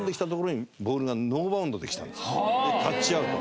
でタッチアウト。